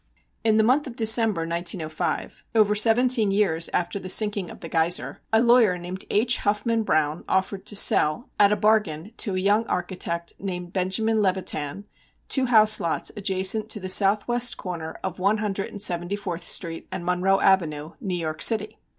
In the month of December, 1905, over seventeen years after the sinking of the Geiser, a lawyer named H. Huffman Browne, offered to sell "at a bargain" to a young architect named Benjamin Levitan two house lots adjacent to the southwest corner of One Hundred and Seventy fourth Street and Monroe Avenue, New York City.